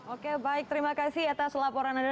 oke baik terima kasih atas laporan anda